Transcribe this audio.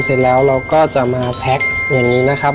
เสร็จแล้วเราก็จะมาแท็กอย่างนี้นะครับ